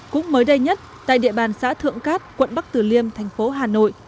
cũng mới đây nhất tại địa bàn xã thượng cát quận bắc tử liêm tp hà nội